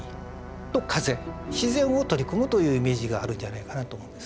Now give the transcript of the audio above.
自然を取り込むというイメージがあるんじゃないかなと思うんです。